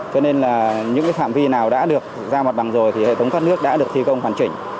cho nên là những phạm vi nào đã được giao mặt bằng rồi thì hệ thống thoát nước đã được thi công hoàn chỉnh